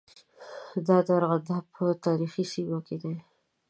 دا د ارغنداب په تاریخي سیمه کې دي.